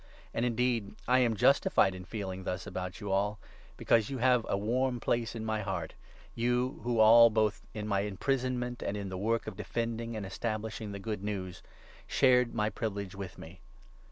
And, indeed, I am justified in feeling thus about ^ you all ; because you have a warm place in my heart — you who all, both in my imprisonment and in the work of defending and establishing the Good News, shared my privilege with me.